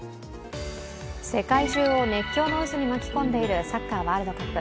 世界中を熱狂の渦に巻き込んでいるサッカーワールドカップ。